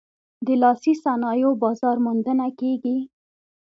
د لاسي صنایعو بازار موندنه کیږي؟